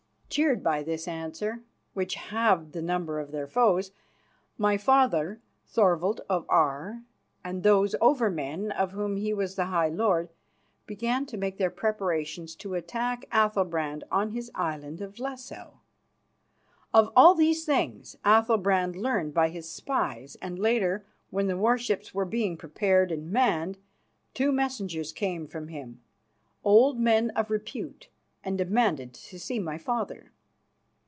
Cheered by this answer, which halved the number of their foes, my father, Thorvald of Aar, and those Over men of whom he was the High lord, began to make their preparations to attack Athalbrand on his Island of Lesso. Of all these things Athalbrand learned by his spies, and later, when the warships were being prepared and manned, two messengers came from him, old men of repute, and demanded to see my father.